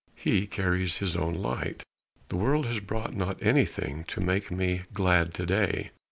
He carries his own light. The world has brought not anything To make me glad to day!